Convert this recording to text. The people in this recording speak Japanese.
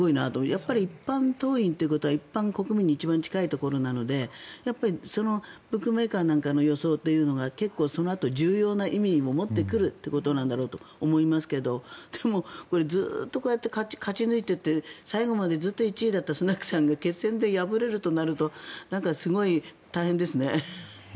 やっぱり一般党員ということは一般国民に一番近いところなのでそのブックメーカーなんかの予想っていうのがそのあと重要な意味も持ってくるっていうことなんだろうと思いますけどでも、ずっとこうやって勝ち抜いていって最後までずっと１位だったスナクさんが決戦で敗れるとなるとすごい大変ですね。